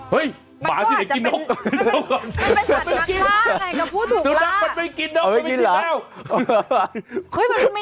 เฮ้ยหมาที่ได้กินนก